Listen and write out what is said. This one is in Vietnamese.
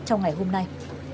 trong ngày hôm nay